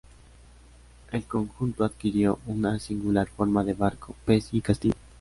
El conjunto adquirió una singular forma de barco, pez y castillo.